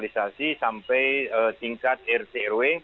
sampai tingkat rt rw